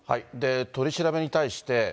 取り調べに対して。